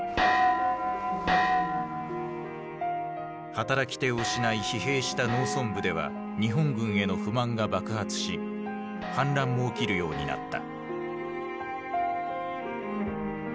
働き手を失い疲弊した農村部では日本軍への不満が爆発し反乱も起きるようになった。